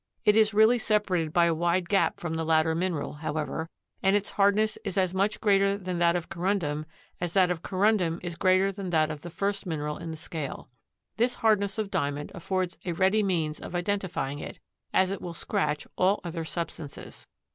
It is really separated by a wide gap from the latter mineral, however, and its hardness is as much greater than that of corundum as that of corundum is greater than that of the first mineral in the scale. This hardness of Diamond affords a ready means of identifying it, as it will scratch all other substances.